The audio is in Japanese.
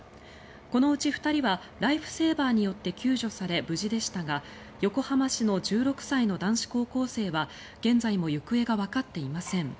このうち２人はライフセーバーによって救助され無事でしたが横浜市の１６歳の男子高校生は現在も行方がわかっていません。